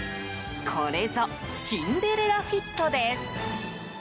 これぞシンデレラフィットです。